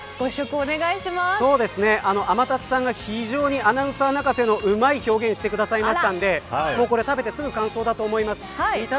天達さんが非常にアナウンサー泣かせのうまい表現をしてくれたので食べですぐに感想出したいと思います。